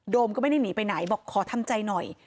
ก็ไม่ได้หนีไปไหนบอกขอทำใจหน่อย